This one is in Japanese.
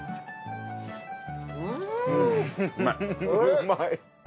うまい！